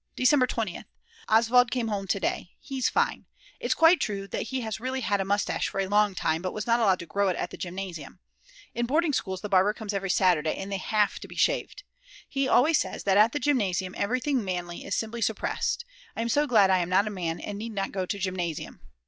December 20th. Oswald came home to day; he's fine. It's quite true that he has really had a moustache for a long time, but was not allowed to grow it at the Gymnasium; in boarding schools the barber comes every Saturday, and they have to be shaved. He always says that at the Gymnasium everything manly is simply suppressed. I am so glad I am not a man and need not go to Gymnasium.